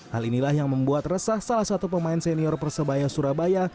hal inilah yang membuat resah salah satu pemain senior persebaya surabaya